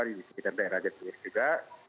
di sekitar daerah jatiluhur juga